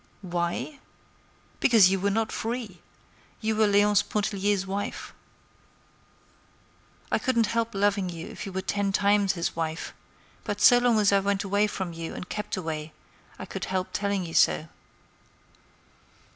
"Why? Because you were not free; you were Léonce Pontellier's wife. I couldn't help loving you if you were ten times his wife; but so long as I went away from you and kept away I could help telling you so."